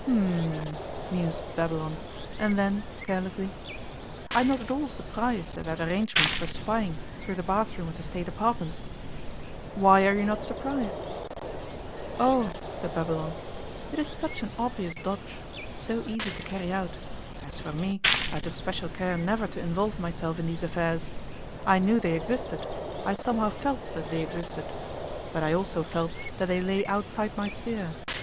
'H'm!' mused Babylon; and then, carelessly, 'I am not at all surprised at that arrangement for spying through the bathroom of the State apartments.' 'Why are you not surprised?' 'Oh!' said Babylon, 'it is such an obvious dodge so easy to carry out. As for me, I took special care never to involve myself in these affairs. I knew they existed; I somehow felt that they existed. But I also felt that they lay outside my sphere.